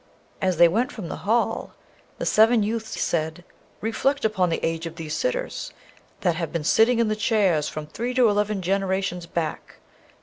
As they went from the hall the seven youths said, 'Reflect upon the age of these sitters, that have been sitting in the chairs from three to eleven generations back!